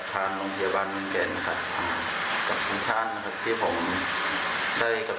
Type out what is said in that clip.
ทำให้ผมก็ไม่ช้าสังเกตอะไรเองนะครับ